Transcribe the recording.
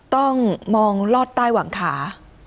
ต้องมองลอดใต้หวังขา